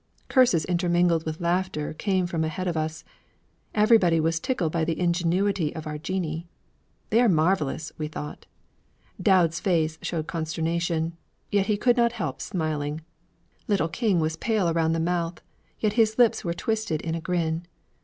Curses intermingled with laughter came from ahead of us. Everybody was tickled by the ingenuity of our génie. 'They are marvelous!' we thought. Dowd's face showed consternation, yet he could not help smiling. Little King was pale around the mouth, yet his lips were twisted in a grin.